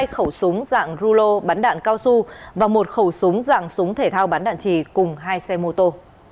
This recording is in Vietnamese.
hai khẩu súng dạng rulo bắn đạn cao su và một khẩu súng dạng súng thể thao bắn đạn trì cùng hai xe mô tô